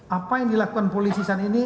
apa yang dilakukan polisi saat ini